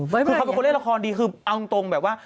คือเขาเป็นคนเล่นละครดีคือเอาตรงแบบว่า